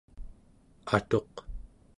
atuq